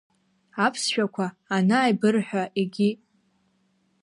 Аԥсшәақәа анааибырҳәа-егьи…